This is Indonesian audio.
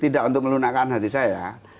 tidak untuk melunakkan hati saya